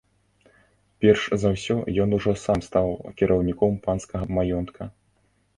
Перш за ўсё ён ужо сам стаў кіраўніком панскага маёнтка.